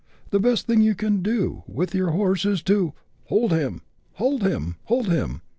The best thing you can do with your horse is to — Hold him ! hold him ! hold him